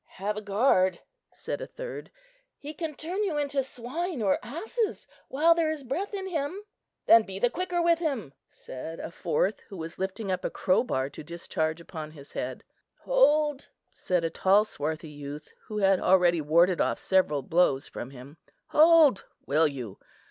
"Have a guard," said a third; "he can turn you into swine or asses while there is breath in him," "Then be the quicker with him," said a fourth, who was lifting up a crowbar to discharge upon his head. "Hold!" said a tall swarthy youth, who had already warded off several blows from him, "hold, will you?